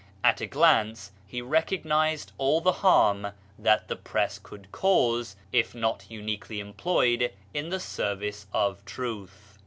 At a glance he recognised all the harm that the Press could cause if not uniquely em ployed in the service of truth.